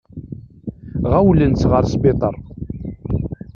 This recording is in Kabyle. Ɣawlen-tt ɣer sbiṭar.